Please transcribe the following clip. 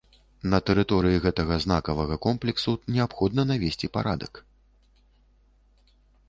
На тэрыторыі гэтага знакавага комплексу неабходна навесці парадак.